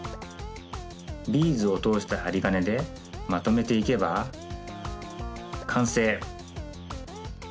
ビーズをとおしたはりがねでまとめていけばかんせい！